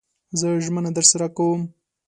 زه ژمنه درسره کوم